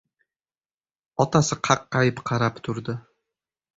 Otasi qaqqayib qarab turdi.